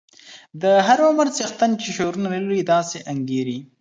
د هر عمر څښتن چې شعرونه لولي داسې انګیري.